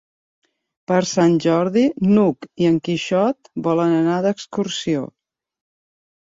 Per Sant Jordi n'Hug i en Quixot volen anar d'excursió.